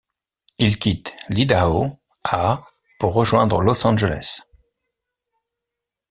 Il quitte l'Idaho à pour rejoindre Los Angeles.